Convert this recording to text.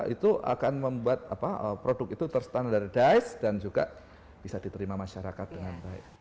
itu akan membuat produk itu terstandaradize dan juga bisa diterima masyarakat dengan baik